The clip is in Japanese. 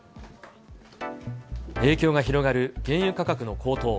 影響が広がる原油価格の高騰。